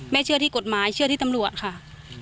เชื่อที่กฎหมายเชื่อที่ตำรวจค่ะ